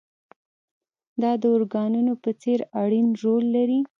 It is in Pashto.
دا د ارګانونو په څېر اړين رول لري.